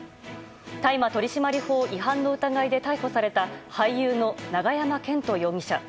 大麻取締法違反の疑いで逮捕された俳優の永山絢斗容疑者。